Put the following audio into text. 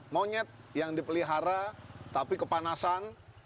monyet yang dipelihara tapi kepanasan